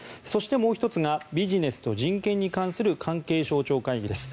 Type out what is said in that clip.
そしてもう１つがビジネスと人権に関する関係省庁会議。